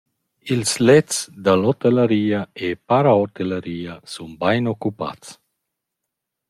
Ils lets da l’hotellaria e parahotellaria sun bain occupats.